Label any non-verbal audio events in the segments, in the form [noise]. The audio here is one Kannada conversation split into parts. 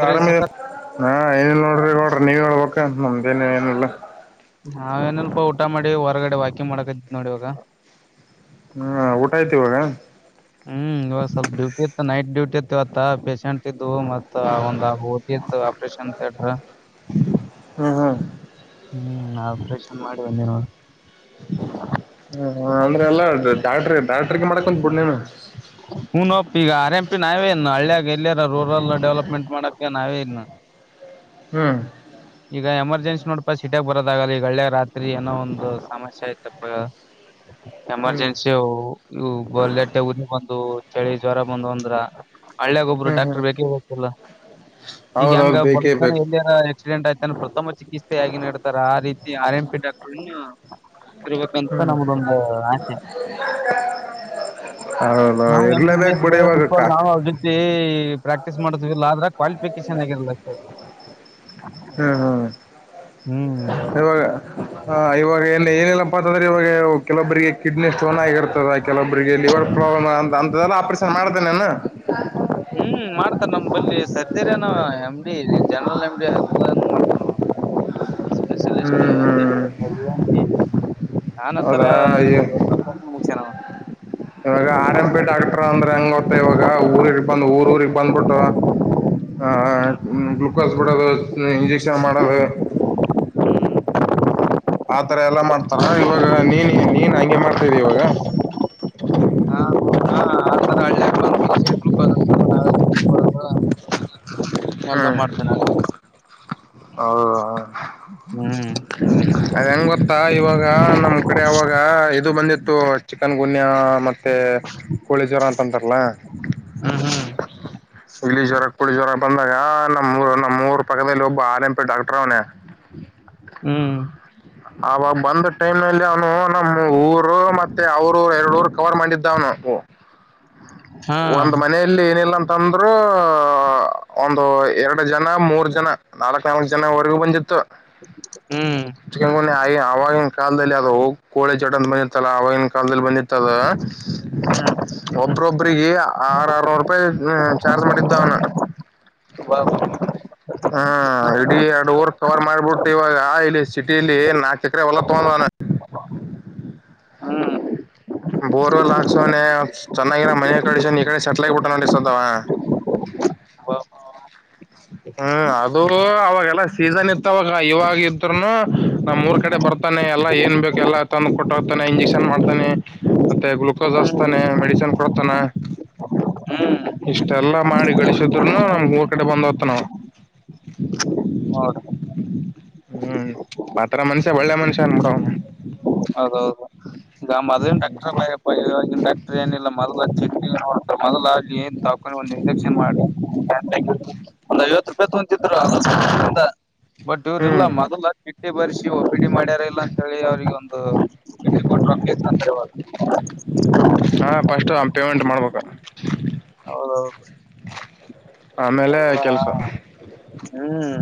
ಅದ್ರ ಆರಾಮ ಸಕ ಏನ್ ಆ ಏನ್ ಇಲ್ ನೋಡ್ರಿ ಗೌಡ್ರು ನೀವ್ ಹೇಳ್ಬೇಕ ನಮ್ದೇನ ಏನಿಲ್ಲ. ನಾವ ಏನಲ್ಪ ಊಟ ಮಾಡಿ ಹೊರಗಡೆ ವಾಕಿಂಗ್ ಮಾಡಕದ್ ನೋಡಿ ಇವಾಗ. ಹ್ಮ ಊಟ ಆಯ್ತಿ ಇವಾಗ. ಹ್ಮ್ ಇವಾಗ ಸ್ವಲ್ಪ ಡೂಟಿ ಇತ್ತ ನೈಟ್ ಡ್ಯೂಟಿ ಇರ್ತಿವತ್ತ ಪೇಶಷೆಂಟ್ ಇದ್ದುವು ಮತ್ತ ಒಂದ್ ಆ ಇತ್ತು ಆಪರೇಷನ್ ಥಿಯೇಟ್ರ. ಹ್ಮ್ ಹ್ಮ್ ಹ್ಮ್ ಆಪ್ರೇಷನ್ ಮಾಡಿ ಬಂದೀವ್ ನೋಡು. ಹ ಹ ಅಂದ್ರೆ ಎಲ್ಲಾ ಡಾ ಡಾಕ್ಟ್ರ ಡಾಕ್ಟ್ರಿಗೆ ಮಾಡಕೊಂತಬುಡು ನೀನು. ಉನಪ್ಪ ಈಗ ಆರ್ ಎಂ ಪಿ ನಾವೇ ಇನ್ ಹಳ್ಳ್ಯಾಗ ಎಲ್ಲಿಯರ ರೂರಲ್ ಡೆವಲಪ್ಮೆಂಟ್ ಮಾಡಕ ನಾವೇ ಇನ್ ಹ್ಮ್ ಈಗ ಎಮರ್ಜನ್ಸಿ ನೋಡ್ ಪ್ಪ ಸಿಟ್ಯಾಗ್ ಬರೋದಾಗಲ್ಲ ಈ ಗಳ್ಳೆ ರಾತ್ರಿ ಏನೋ ಒಂದು ಸಮಸ್ಯೆ ಆಯ್ತಪ್ಪ. ಹ್ಮ್ ಎಮರ್ಜೆನ್ಸಿವು ಇವು [unintelligible] ಬಂದು ಚಳಿ ಜ್ವರ ಬಂದವು ಅಂದ್ರ. ಹಳ್ಳ್ಯಾಗ ಒಬ್ರು ಹ್ಮ್ ಹ್ಮ್ ಡಾಕ್ಟರ್ ಬೇಕೇ ಬೇಕಲ ಈಗ ಹೆಂಗ ಹೌದೌದು ಬೇಕೇ ಬಡಗ್ಗನ ಬೇಕು ಎಲ್ಲೆರ ಆಕ್ಸಿಡೆಂಟ್ ಆಯ್ತಾನೆ ಪ್ರಥಮ ಚಿಕಿತ್ಸೆೆಯಾಗಿ ನೀಡ್ತಾರೆ ಆ ರೀತಿ ಆರ್ ಎಂ ಪಿ ಡಾಕ್ಟರ್ ಇರ್ಬೇಕಂತ ಹ್ಮ್ ನಮ್ದೊ ಒಂದು ಆಸೆ. ಹೌದ ನಾವು ಹೌದ್ ಎಂ ಬಿ ಬಿ ಇರ್ಲೆಬೇಕ ಎಸ್ ಬುಡು ಲೆವೆಲ್ ಇವಾಗಕ್ಕ ಇಕ್ವಲ್ ನಾವು ಅವ್ರ ಪ್ರಾಕ್ಟೀಸ್ ಮಾಡುದ್ಲ ಆದ್ರ ಕ್ವಾಲಿಫಿಕೇಶನ್ ಆಗಿರಲ್ಲ ಅಷ್ಟ. ಹ್ಮ್ ಹ್ಮ್ ಹ್ಮ್ ಇವಾಗ. ಹ ಇವಾಗ ಎಲ್ ಏನ್ ಏನಿಲ್ಲಪ್ಪಾ ಅಂತಂದ್ರೆ ಇವಾಗ ಕೆಲವೊಬ್ಬರಿಗೆ ಕಿಡ್ನಿ ಸ್ಟೋನ್ ಆಗಿರ್ತದ. ಕೆಲೊಬ್ರರಿಗೆ ಲಿವರ್ ಪ್ರಾಬ್ಲಮ್ ಅಂತ ಅಂತದೆಲ್ಲ ಆಪರೇಷನ್ ಮಾಡ್ತೆ ನೇನ. ಹ್ಮ್ ಮಾಡ್ತಾರ ನಮ್ ಬಲ್ಲಿ ಸರ್ಜರಿ ಏನ್ ಎಂಬಿ ಜನರಲ್ ಎಂ ಬಿ ಹ್ಮ್ ಹ್ಮ್ ನಾನತ್ತರ ಇದ ಹ [unintelligible] ಇವಾಗ ಆರ್ ಎಂ ಪಿ ಡಾಕ್ಟರ್ ಅಂದ್ರೆ ಎಂಗ್ ಗೊತ್ತ ಇವಾಗ ಊರಿಗೆ ಬಂದ್ ಊರ್ ಊಗ್ ಬಂದ್ಬಿಟ್ಟು ಆ ಹ್ಮ್ ಗ್ಲುಕೋಸ್ ಬಿಡೋದು ಇಂಜೆಕ್ಷನ್ ಮಾಡೋದು. ಆತರ ಎಲ್ಲಾ ಮಾಡ್ತಾರ ಇವಾಗ ನೀನ್ ನೀನ್ ಹಂಗೆ ಮಾಡ್ತಾಯಿದಿ ಇವಾಗ. ಹಾ ಹಾ ಆ ತರ [unintelligible] ಎಲ್ಲ ಮಾಡ್ತೀನಿ ಹೌದಾ ಹ್ಮ್ ಅದ್ ಹೆಂಗ್ ಗೊತ್ತಾ ಇವಾಗ ನಮ್ ಕಡೆ ಅವಾಗ ಇದು ಬಂದಿತ್ತು ಚಿಕನ್ ಗುನ್ಯ ಮತ್ತ ಮತ್ತೇ ಕೋಳಿ ಜ್ವರ ಅಂತಂತಾರಲಾ. ಹ್ಮ್ ಹ್ಮ್ ಇಲಿ ಜ್ವರ ಪೂಳಿ ಜ್ವರ ಬಂದಾಗ ನಮ್ಮೂರ್ ನಮ್ಮೂರ್ ಪಕದಲ್ ಒಬ್ಬ ಆರ್ ಎಮ್ ಪಿ ಡಾಕ್ಟ್ರ್ ಅವ್ನೆ. ಹ್ಮ್. ಅವಾಗ್ ಬಂದ ಟೈಮ್ನಲ್ಲಿ ಅವ್ನು ನಮ್ಮೂರು ಮತ್ತೆ ಅವ್ರ್ ಊರ್ ಎರ್ಡ್ ಊರ್ ಕವರ್ ಮಾಡಿದ್ದಾವ್ನು. ಹಾ ಒಂದ್ ಮನೆ ಇಲ್ಲಿ ಏನಿಲ್ಲಂತಂದ್ರರೂ ಒಂದು ಎರಡ್ ಜನ ಮೂರ್ ಜನ. ನಾಲಕ್ ನಾಲಕ್ ಜನವರ್ಗು ಬಂದಿತ್ತು ಹ್ಮ್ ಎಚ್ಚುಕಮಿ ನಾಯಿ ಆವಾಗಿನ್ ಕಾಲ್ದಲ್ಲಿ ಅದೂ ಕೋಳೆ [unintelligible] ಆವಾಗಿನ್ ಕಾಲ್ದಲ್ ಬಂದಿತ್ ತದಾ ಒಬ್ರೊಬ್ಬರಿ ಎ ಆರ್ ಆರ್ನೂ ರೂಪಾಯಿ ಚಾರ್ಜ್ ಮಾಡಿದ್ದ ಅವ್ನ. ಹ್ಮ್ ಹಾಂ ಇಡೀ ಎರ್ಡ್ ಊರ್ ಕವರ್ ಮಾಡ್ಬಿಟ್ ಇವಾ ಯಾಲಿ ಸಿಟಿಲ್ಲಿ ನಾಕ್ ಎಕ್ರೆ ಹೊಲ ತಗೊಂದನ. ಹ್ಮ್ ಬೋರ್ವೆಲ್ ಹಾಕ್ಸೋನೆ ಚೆನ್ನಾಗಿರ ಮನೆ ಕಡ್ಸನೆ ಈ ಕಡೆ ಸೆಟ್ಲ್ ಆಗಿಬಿಟ್ಟಾನ ಅಡಿಸತ್ತವ. [inaudible] ಹ್ಮ್ ಅದೂ ಅವಾಗೆಲ್ಲ ಸೀಸನ್ ಇತ್ತವಾಗ ಇವಾಗ್ ಇದ್ರುನು ನಮ್ಮೂರ್ ಕಡೆ ಬರ್ ತನೆ ಎಲ್ಲ ಏನ್ ಬೇಕ್ ಎಲ್ಲ ತಂದ್ ಕೊಟ್ಟು ಹೋಗ್ತಾನೆ ಇಂಜೆಕ್ಷನ್ ಮಾಡ್ತಾನೆ. ಮತ್ತೆ ಗುಲ್ಕೋಸ್ ಹಸ್ತಾನೆ ಮೆಡಿಷನ್ ಕೊಡ್ತಾನ. ಹ್ಮ್ ಇಷ್ಟೆಲ್ಲಾ ಮಾಡಿ ಗಳಿಸಿದ್ರುನು ನಮ್ಮೂರ್ ಕಡೆ ಬಂದ್ ತನವಾ. ನೋಡ ಹ್ಮ್ ಪಾತ್ರ ಮನ್ಷ ಒಳ್ಳೆ ಮನುಷ್ಯನ್ಬುಡ್ ಅವ. ಹೌದೌದು ಈಗ ಮೊದ್ಲಿನ್ ಡಾಕ್ಟ್ರ್ ಬುಡಯಪ್ಪ ಇವಾಗಿನ್ ಡಾಕ್ಟ್ರ್ ಏನಿಲ್ಲ [unintelligible] ಮೊದಲಾಗಿ ಏನ್ ತಾಕೊಂಡು ಒಂದ್ ಇಂಜೆಕ್ಷನ್ ಮಾಡಿ ಒಂದ್ ಐವತ್ ರೂಪಾಯಿ ತೊಂತಿದ್ರು [unintelligible] ಬಟ್ ಇವ್ರ್ ಇಲ್ಲ ಹ್ಮ್ ಮೊದಲ ಚಿಟ್ಟಿ ಬರ್ಸಿ ಒಬಿಡಿ ಮಾಡ್ಯಾರ ಇಲ್ಲ ಅಂತ ಹೇಳಿ ಅವ್ರಿಗೆ ಒಂದ್ ಕೆಟ್ಟ ಕೊಂಡ್ರೋಕ್ ಎಷ್ಟ್ ಅಂತಾರೆ ಇವಾಗ. ಹಾಂ ಪಸ್ಟ್ ಅ ಪೇಮೆಂಟ್ ಮಾಡ್ಬೇಕ. ಆಮೇಲೆ ಅಲ್ಲ ಕೆಲ್ಸ ಹ್ಮ್.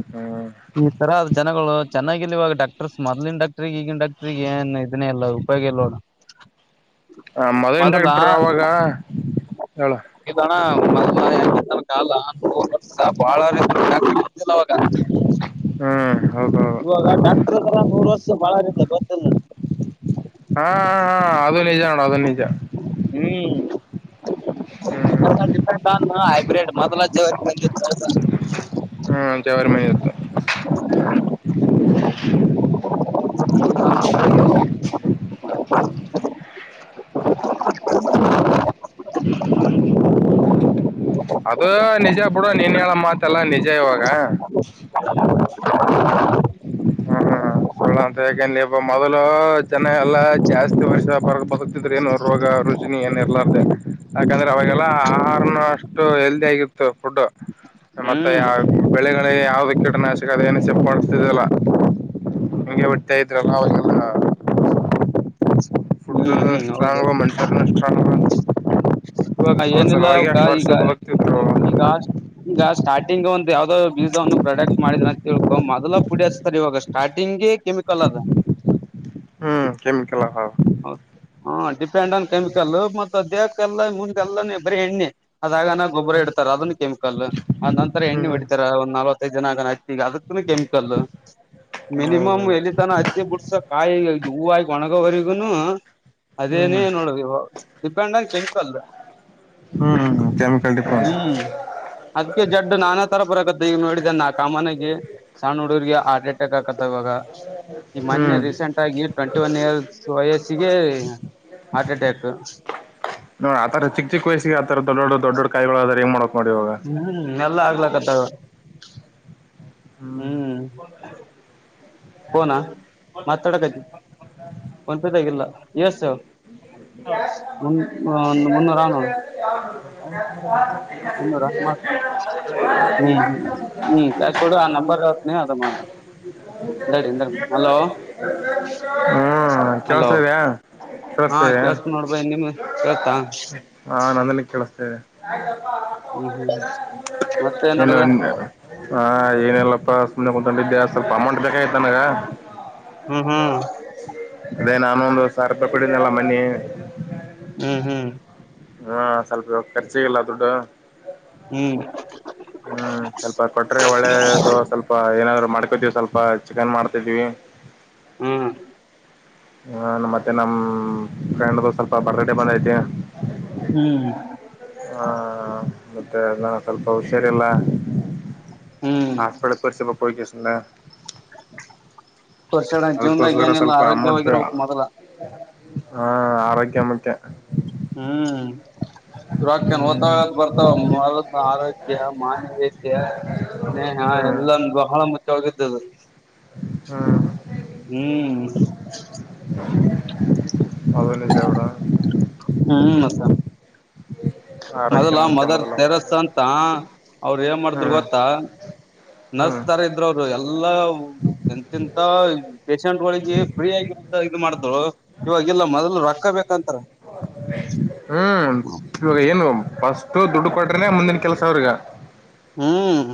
ಹ್ಮ್. ಈ ತರ ಅದ್ ಜನಗಳು ಚೆನ್ನಾಗಿಲ್ವಾಗ ಡಾಕ್ಟರ್ಸ್ ಮೊದ್ಲಿನ್ ಡಾಕ್ಟ್ರಿಈಗಿನ್ ಡಾಕ್ಟ್ರಿಗ್ ಏನ್ ಇದನ್ನೇ ಇಲ್ಲ ಪೈಗೆ ಎಲ್ ಹೋದ. ಆ ಮೊದ್ಲಿನ್ ಡಾಕ್ಟ್ರ್ ಅವಾಗ ಹೇಳ. ಅಣ್ಣಾ ಮೊದ್ಲು ಹೆಂಗ್ ಇತ್ತು ಕಾಲ [unintelligible] ಅವಾಗ ಹ್ಮ್. ಹೌದೌದು ಇವಾಗ ಡಾಕ್ಟಾರ್ಸ್ ಎಲ್ಲಾ ಮೂರ್ ವರ್ಷ್ ಬಾಳಾರಿಂದ ಗೊತ್ತಿಲ್ಲ. ಹಾಂ ಹಾಂ ಹಾಂ ಅದು ನಿಜ ಅಣ್ಣ ಅದು ನಿಜ. ಹ್ಮ್ ಹ್ಮ್ ಹೊಸ ಡಿಪ್ ನನ್ ಮಗ ಹೈಬ್ರಿಡ್ ಮೊದಲ [unintelligible] ಹ್ಮ್ ದೇವ್ರ ಮನೆ ಇತ್ತು. [inaudible] [inaudible] [inaudible] ಅದೂ ನಿಜ ಬುಡು ನೀನ್ ಹೇಳ ಮತ್ಎಲ್ಲಾ ನಿಜ ಇವಾಗ. [inaudible] ಹಾಂ ಹಾಂ ಹಾಂ. ಸುಳ್ಳ ಅಂತ ಹಾಕೆಂಲೇ ಇಬ್ಬ ಮೊದಲೂ ಜನ ಎಲ್ಲ ಜಾಸ್ತಿ ವರ್ಷ ಬರ್ ಬದುಕ್ತಿದ್ರಿ ಏನು ರೋಗ ರುಚಿ ಏನ್ ಇರ್ಲಾರ್ದೆ ಯಾಕಂದ್ರೆ ಅವಾಗೆಲ್ಲ ಆಹಾರ್ನು ಅಷ್ಟು ಹೆಲ್ದಿ ಆಗಿತ್ತು ಫುಡ್. ಮತ್ತೆ ಹ್ಮ್ ಬೆಳೆಗಳಿಗೆ ಯಾವ್ದ ಕೀಟನಾಶಕ ಅದನಿಸ ನಿಗೆ ಒಟ್ಟಯತ್್ರಲ್ಲ ಅವಲ್ಲ [unintelligible] ಫುಡ್ ಹ್ಮ್ ಹ್ಮ್ ಹೌದು ಸ್ಟ್ರಾಂಗ್ ಮನುಷ್ಯ ನು ಸ್ಟ್ರಾಂಗ್ ಇವಾಗ ಏನಿಲ್ಲ ಆದ್ರಸಲುವಾಗಿ ಅವಕ ಅಷ್ಟು ವರ್ಷ ಈಗ ಬದುಕ್ತಿದ್ರು ಈಗ ಈಗ ಸ್ಟಾರ್ಟಿಂಗ್ ಒಂದ್ ಯಾವ್ದ್ ಬೀಜ ಒಂದು ಪ್ರಾಡಕ್ಟ್ ಮಾಡಿದ್ರ ಅ ತಿಳ್ಕೊ ಮೊದಲ ಪುಡಿ ಹಚ್ತರ್ ಇವಾಗ ಸ್ಟಾರ್ಟಿಂಗ್ಗೆ ಕೆಮಿಕಲ್ ಅದ. ಹ್ಮ್ ಕೆಮಿಕಲ್ ಹ. ಹಾ ಡಿಪೆಂಡ್ ಆನ್ ಕೆಮಿಕಲ್ಲ ಮತ್ತ ದೇಹಕ್ಕೆಲ್ಲ ಮುಂದಗೆಲ್ಲ ಬರಿೀ ಎಣ್ಣೆ ಅದಾಗ ಗೋಬ್ಬರ ಇಡ್ತಾರೆ ಅದನ್ನ ಕೆಮಿಕಲ್ ಅ್ ನಂತರ ಎಣ್ಣೆ ಹ್ಮ್ ಹೊಿಡಿತಾರೆ ಒಂದ ನಲ್ವತ್ತೈದು ಜನ ಅದುನ್ನತಿ ಈಗ ಅದ ಅದುನು ಕೆಮಿಕಲ್ ಹೌದು ಮಿನಿಮಮ್ ಎಲ್ಲಿ ತನ ಅಚ್ಚಿ ಬಿಡ್ಸ ಕಾಯಿ ಹೂವಿ ಆಗಿ ಒಣಗೋವರಿಗೂನು ಹ್ಮ್ ಅದೇನೇ ನೋಡ ಡಿಪೆಂಡ್ ಆನ್ ಕೆಮಿ ಹ್ಮ್ ಕೆಮಿಕಲ್ ಮೆಲ್ ಡಿಪೆಂಡ್ ಹ್ಮ್ ಅದ್ಕ್ಕೆ ಜಡ್ಡು ನಾನಾ ತರ ಬರಕತ್ತ ಈಗ ನೋಡಿದ್ದ ನಾ ಕಾಮನಗೆ ಸಣ್ಣ ಹುಡುಗರಿಗೆ ಹರ್ಟ್ ಅಟ್ಯಾಕ್ ಆಕತ್ತ ಇವಾಗ ಈ ಮೊನ್ನೆ ಹ್ಮ್ ರೀಸೆಂಟ್ ಆಗಿ ಟ್ವೆಂಟಿ ಒನ್ ಇಯರ್ಸ್ ವಯಸ್ಸಿಗೆ ಹಾರ್ಟ್ ಅಟ್ಯಾಕ್ ನೋಡ್ ಆತರ ಚಿಕ್ ಚಿಕ್ ವಯಸಿಗೆ ಆ ತರ ದೋಡ್ ದೊಡ್ ಕಾಯಲಿಗಳುಾದದ ಹೆಂಗ ಮಾಡ್ಬೇಕ್ ನೋಡಿವಾಗ ಹ್ಮ್ ಎಲ್ಲ ಆಗ್ಲಕ್ಕತ್ತದ ಹ್ಮ್ ಫೋನ ಮಾತಾಡಕತಿನಿ ಫೋನ್ ಪೆ ತಗಿಲ ಯುಎಸ್ ಮುನ್ನೂರ ನಾನೂರ ಇನ್ನೂರ ಮಾಡ್ತಿನಿ ಹ್ಮ್ ಹ್ಮ ಹ್ಮ್ ಕ್ಯಾಸ್ ಕೊಡು ಆ ನಂಬರ್ ಹೇಳ್ತೀನಿ ಅದ ಮಾಡ ಹ [unintelligible] ಎ ಹಲೋ ಹ್ಮ್ ಹಲೋ ಕೇಳಸ್ತಾ ಇದೆಯಾ ಹಾ ಕೇಳಸ್ತಾ ಇದೆಯಾ ಕೇಳ್ಸ್ತಾ ನೋಡ್ಬೇ ನಿಮ ಕೇಳ್ತಾ ಹಾ ನಂದ್ರಲ್ಲಿ ಕೇಳಿಸತೇನೆ ಹ್ಮ್ ಹ್ಮ್ ಮತ್ತೆ ಏನ್ ಎಲ್ಲ ನಡದ ಹಾ ಏನಲ್ಲಪ್ಪ ಸುಮ್ಮನೆ ಕುಂತ್ಕೊಂಡಿದ್ದೆ ಸ್ವಲ್ಪ ಅಮಂಟ್ ಬೇಕಾಯ್ತ ನನಗ ಹ್ಮ ಹ್ಮ ಅದೇ ನಾನೊಂದು ಸಾವ್ರ್ ರುಪಾಯ್ ಕೊಟ್ಟಿದ್ನಲ್ಲ ಮೊನ್ನೆ ಹ್ಮ್ ಹ್ಮ್ ಹಾ ಸ್ವಲ್ಪ ಖರ್ಚಿಗಿಲ್ಲ ದುಡ್ಡು ಹ್ಮ್ ಹ [unintelligible] ಹ್ಮ್ ಸ್ವಲ್ಪ ಕೊಟ್ರೆ ಒಳ್ಳೆದು ಸ್ವಲ್ಪ ಏನಾದ್ರು ಮಾಡ್ಕೊತೀವಿ ಸ್ವಲ್ಪ ಚಿಕನ್ ಮಾಡ್ತಿದೀವಿ ಹ [inaudible] ಹ್ಮ್ ಹಾ ಮತ್ತೆ ನಮ ಫ್ರೆಂಡ್ ದು ಸ್ವಲ್ಪ ಬರ್ತ್ಡೇ ಬಂದೈತಿ ಹ್ಮ್ ಹಾ ಮತ್ತೆ ನಾನ ಸ್ವಲ್ಪ ಹುಷಾರಲ್ಲ ಹ್ಮ್ ಹಸ್ಪಿಟಲ್ ತೋರ್ಸಕಬೇಕು ಹೋಗಿ ಸುಮ್ನ ತೋರ್ಸಡ ಜೀವನ್ದಾಗ ಅದಕ್ಕೋಸ್ಕರ ಏನಿಲ್ಲ ಸ್ವಲ್ಪ ಅಮೌಂಟ್ ಆರೋಗ್ಯವಾಗಿರ್ಬೇಕು ಮೊದಲ ಹಾ ಆರೋಗ್ಯ ಮುಖ್ಯ. ಹ್ಮ್ ರೋಕ್ಕ ಏನ ಹ್ಮ್ ಹೊತವಾ ಬರ್ತಾವ ಮೊದಲ್ ಆರೋಗ್ಯ ಮಾನವೀಯತೆ. ಸ್ನೇಹಾ ಹ್ಮ್ ಎಲ್ಲನೂ ಬಹಳ ಮುಖ್ಯ ಆಗಿರ್ತತಿ ಅದು ಹಾ ಹ್ಮ್ [inaudible] [unintelligible] ಹ್ಮ್ ಮತ್ತ ಆರೋಗ್ಯ ಮೊದಲ ಮುಖ್ಯ ಮದರ್ ಮೊದಲ ತೆರಸ್ ಅಂತ ಅವ್ರ ಏನ್ ಮಾಡಿದರು ಹ್ಮ್ ಗೊತ್ತಾ ಹ್ಮ್ ನರ್ಸ್ ತರಾ ಇದ್ರು ಅವರು ಎಲ್ಲಾ ಎಂತಿಂತ ಪೇಶಂಟ್ಗಳಿಗೆ ಫ್ರೀ ಆಗಿಂತ ಇದು ಮಾಡಿದತಾಳು ಇವಾಗಲ್ಲ ಮೊದಲು ರೊಕ್ಕ ಬೇಕಂತಾರ ಹ್ಮ್ ಇವಾಗ ಏನು ಫಸ್ಟು ದುಡ್ಡು ಕೊಟ್ರನೆ ಮುಂದಿನ ಕೆಲಸ ಅವ್ರಿಗ ಹ್ಮ್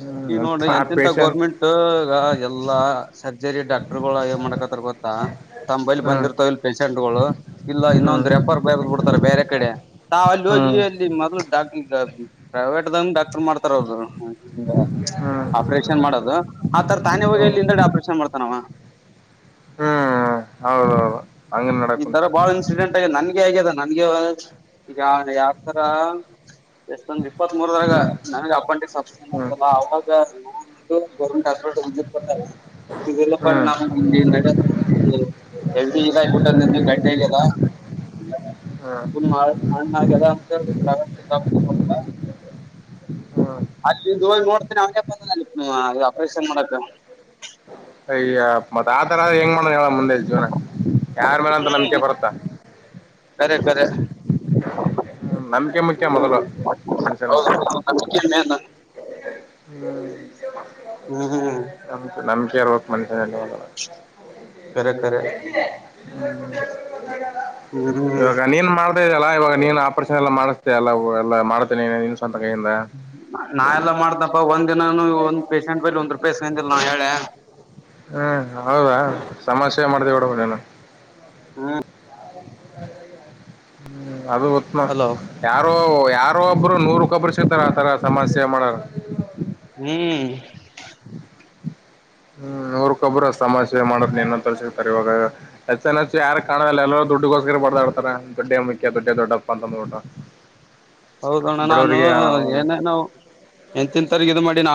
ಹ್ಮ್ ಈ ನೋಡ್ರಿ ಆ ಎಂತೆಂತ ಪೇಶಂಟ್ ಗೌರ್ಮೆಂಟ್ ಈಗ ಎಲ್ಲಾ ಸರ್ಜರಿ ಡಾಕ್ಟರ್ಗಳಗಳು ಏನ್ ಮಾಡಕತ್ತರ್ ಗೊತ್ತಾ ತಮ್ಮ್ ಬೈಲಿ ಹ್ಮ್ ಬಂದಿರ್ತಾವ ಇಲ್ ಪೇಶೆಂಟ್ ಗಳು ಇಲ್ಲ ಹ್ಮ್ ಇನ್ನೊಂದು ರೆಪರ್ ಬರ್ದ್ ಬಿಡ್ತಾರೆ ಬೇರೆ ಕಡೆ ತಾವ ಅಲ್ಲಿ ಹೋಗಿ ಹ್ಮ್ ಅಲ್ಲಿ ಮೊದ್ಲು ಡಾಕ್ಟರ್ ಪ್ರೈವೇಟ್ ಡಾಕ್ಟರ್ ಮಾಡ್ತಾರ ಅವರದು ಹ್ಮ್ ಆಪರೇಷನ್ ಮಾಡೋದು ಆತರ ತಾನೇ ಹೋಗಿ ಅಲ್ಲಿ ಹಿಂದೆಡೆ ಆಪರೇಷನ್ ಮಾಡ್ತಾನವ. ಹ್ಮ್ ಹೌದೌದು. ಹಂಗ ನಡಕ್ ಈ ಕುಂತ ತರ ಬಾಳ ಇನ್ಸಿಡೆಂಟ್ ಆಗದ ನನ್ಗೆ ಆಗ್ಯದ ನನ್ಗೆ ಈಗ ಯಾವ ಯಾವತರಾ ಎಷ್ಟೊಂದ ಇಪ್ಪತ್ ಮೂರದಗ ಹ್ಮ್ ನನ್ಗ ಅಪ್ಪಂಟಿಸ್ ಆಪರೇಷನ್ ಹ್ಮ್ ಆಗದಲ್ಲ ಅವಗಾ ನೋವು ಗೊ ಗೌರನಮೆಂಟ್ ಹಾಸ್ಪೇಟಲ್ [unintelligible] ಹ್ಮ್ ಹ್ಮ್ [unintelligible] ಗಂಟೆ ಇದೆಯೆಲ್ಲಾ ಹಾ ಅಣ್ಣಾಗ [unintelligible] ಹ್ಹಾ ಅಲ್ಲಿಗ ಹೋಗಿ ನೋಡ್ತೇನಿ ಅವನಕ್ ಬಂದನ [unintelligible] ಆಪರೇಷನ್ ಮಾಡಕ ಅಯ್ಯ ಮತ್ತ ಆತರ ಅದರ ಹೆಂಗ ಮಾಡೋಣ ಹೇಳ ಮುಂದೆ ಜೀವನ ಯಾರ ಮೇಲೆ ಅಂತ ನಂಬಿಕೆ ಹ್ಮ್ ಬರತ್ತಾ. ಕರೆ ಕರೆ [inaudible] ನಮ್ ಮುಖ್ಯ ಹ್ಮ್ ಮೊದಲು ಮನುಷ್ಯನಗ ಹೌದು ನಂಬಿಕೆ ಮೇನ್ [unintelligible] ಹ್ಮ ಹ್ಮ್ ಹ್ಮ್ [inaudible] ಕರೆ ಕರೆ ಹ್ಮ್ ಇವಾಗ ನೀನ್ ಮಾಡ [unintelligible] [unintelligible] ಲ್ಲಾ ಇವಾಗ ನೀನು ಆಪರೇಷನ್ ಎಲ್ಲ ಮಾಡ್ಸದೇ ಎಲ್ಲಾ ಎಲ್ಲ ಮಾಡತ್ಯಾ ನಿನ್ ಸ್ವಂತ ಕೈಯಿಂದ ನಾ ಎಲ್ಲಾ ಮಾಡ್ತಾನೆ ಪ ಒಂದಿನನು ಒಂದ್ ಪೇಶೆಂಟ್ ಬಲ್ಲಿ ಒಂದ್ ರೂಪಾಯಿ ಇಸಗಂದಿಲ್ಲ ನಾ ಹೇಳ್ಯಾ ಹ್ಮ್ ಹೌದ ಸಮಸ್ಯೆ ಮಾಡ್ದೆ ಹೊಡೊಗ್ಯಾನ ಹು ಹ್ಮ್ [unintelligible] ಅದು ಉತ್ತಮನಾ ಹಲೋ ಯಾರೋ ಯಾರೋ ಒಬ್ರು ನೂರಕ್ ಒಬ್ರ್ ಸಿಗ್ತಾರ ಆತರ ಸಮಸ್ಯೆ ಮಾಡಾರು ಹ್ಮ್ ಹ್ಮ್ ನೂರುಕ್ಕೊಬ್ರು ಸಮಾಜ ಸೇವೆ ಮಾಡಕ ನಿನ್ನಂತರೆ ಸಿಗ್ತಾರ ಇವಾಗ ಎಚ್ಯಾನ್ಎಚ್ ಯಾರ ಕಾಣದಲ್ಲ ಎಲ್ಲರ ದುಡ್ಡಿಗೋಸ್ಕರ ಬಡ್ತಾಡ್ತರ ದುಡ್ಡೇ ಮುಖ್ಯ ದೊಡ್ಡೇ ದೊಡ್ಡಪ್ಪ ಅಂತಂದ್ಬುಟ್ಟು [inaudible] ಹೌದಣ್ಣ ನಾನು ಹ್ಮ್ ಏನೇನೋ ಎಂತೆಂತರ್ಗಿ ಇದು ಮಾಡಿನಾ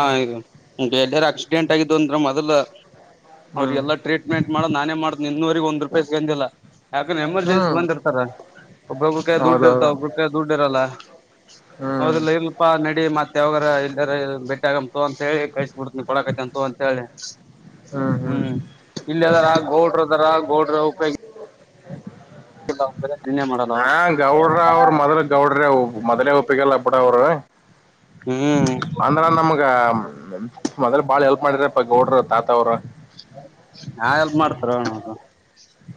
ಇಗ ಎಲ್ಲ್ಯಾರ ಆಕ್ಸಿಡೆಂಟ್ ಆಗಿದ್ದು ಅಂದ್ರ ಮದುಲ್ ಅವ್ರಿಗೆಲ್ಲ ಟ್ರೀಟ್ಮೆಂಟ್ ಮಾಡದ್ ನಾನೇ ಮಾಡ್ತನೆ ಇನ್ನೂವರಿಗ್ ಒಂದ್ ರೂಪಾಯಿ ಇಸ್ಗಂದಿಲ್ಲಾ ಯಾಕಂದ್ರ ಎಮರ್ಜೆನ್ಸಿ ಹ್ಮ್ ಬಂದಿರ್ತಾರ ಒಬ್ಬೊಬ್ರಕ ದುಡ್ಡು ಇರ್ತ ಹೌದೌದು ಒಬ್ಬ್ರಕ ದುಡ್ಡು ಇರಲ್ಲ ಹ್ಮ್ ಹೌದಿಲ್ಲ ಇಲ್ಲಪಾ ನಡಿ ಮತ್ತೆ ಯಾವಾಗರ ಎಲ್ಯರ ಬಿಟ್ಯಾಗಮ್ ತೊ ಅಂತ ಹೇಳಿ ಕಳಿ [unintelligible] ಕೊಡಕತೆಂತ್ ತೊ ಅಂತ ಹೇಳಿ ಹ್ಮ್ ಇಲ್ಯದರಾ ಗೌಡ್ರದರ ಗೌಡ್ರ ಉಪೆಗ [unintelligible] ಮಾಡಲ್ಲ ಹಾ ಗೌಡ್ರ ಅವ್ರರು ಮೊದ್ಲ ಗೌಡ್ರೆ ಮೊದಲೇ ಒಪಿಗಿಲ್ಲ ಬುಡ ಅವರು ಹ್ಮ್ ಅಂದ್ರ ನಮ್ಗ ಮೊದಲ್ ಬಾಳ ಹೆಲ್ಪ್ ಮಾಡರಪ ಗೌಡರು ತಾತ ಅವರು ಯಾ ಹೆಲ್ಪ್ ಮಾಡ್ತಾರೌನೌನ್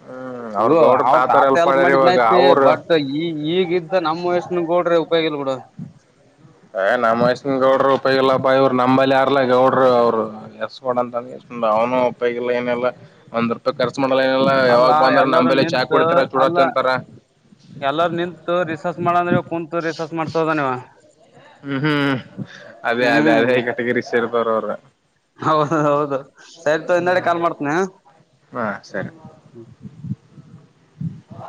ಹ್ಮ್ ಇದು ಗೌಡ್ರ ಅವ್ರ ತಾತಾರ ತಾತ್ ಎಲ್ಪ್ ಹೆಲ್ಪ್ ಮಾಡ್ಯಾರ ಇವಾಗ ಮಾಡಿದ್ನಾಯ್ತಿ ಅವರು ಬಟ್ ಈ ಈಗ್ದ ನಮ್ಮ ವಯಸ್ಸಿನ ಗೌಡ್ರ ಉಪಯೋಗಿಲ್ಲ ಬುಡು ಏ ನಮ್ಮ್ ವಯಸ್ಸಿನ ಗೌಡರು ಉಪಯೋಗಿಲ್ಲ ಇವರ್ ನಂಬಲ್ಲಿ ಯಾರ್ಲ ಗೌಡ್ರರು ಅವ್ರು ಎಸ ಗೌಡ್ ಅಂತಂದ ಅವನು ಉಪಯೋಗಿಲ್ಲ ಏನಿಲ್ಲ ಒಂದ್ ಕರ್ಚ ಮಾಡಲ್ಲ ಏನಿಲ್ಲ ಯಾವಾಗ್ ಅಲ್ಲಾ ಬಂದರ ನಮ್ಮ ಎಲ್ಲಾರೂ ಬಲೆ ಚಾ ನಿಂತು ಕುಡಿತಾರ ಚೂಡಾ ಅಲ್ಲ ತಿಂತಾರ ಎಲ್ಲಾರ ನಿಂತು ರಿಸಸ್ ಮಾಡಂದ್ರೆ ಕುಂತು ರಿಸಸ್ ಮಾಡ್ತಯಿದ ನೀವ ಹ್ಮ್ ಹ್ಮ್ ಅದೇ ಅದೇ ಅದೇ ಹ್ಮ್ ಈಗ ಡಿಗ್ರಿ ಸೇರಿದರ್ ಅವರು ಹೌದು ಹೌದು ಸರಿತೊ ಹಿಂದಗಡಿಗ್ ಕಾಲ್ ಮಾಡ್ತಿನ್ ಹಾ ಸರಿ